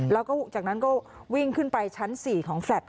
แล้วก็จากนั้นก็วิ่งขึ้นไปชั้น๔ของแฟลต